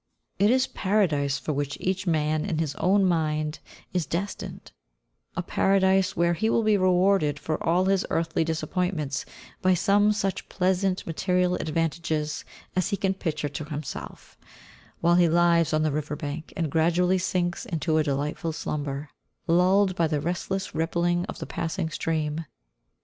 It is Paradise for which each man, in his own mind, is destined; a Paradise where he will be rewarded for all his earthly disappointments by some such pleasant material advantages as he can picture to himself, while he lies on the river bank and gradually sinks into a delightful slumber, lulled by the restful rippling of the passing stream.